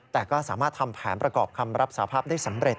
แต่ก็สามารถทำแผนประกอบคำรับสาภาพได้สำเร็จ